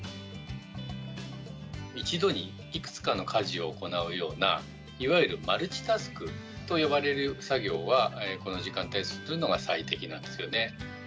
一度にいくつかの家事を行うような、いわゆるマルチタスクと呼ばれる作業はこの時間帯にするのが最適なんですよね。